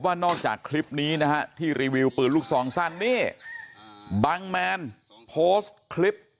นอกจากคลิปนี้นะฮะที่รีวิวปืนลูกซองสั้นนี่บังแมนโพสต์คลิป